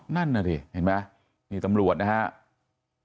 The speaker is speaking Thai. นั่นอ่ะดิเห็นมั้ยมีตำรวจนะครับ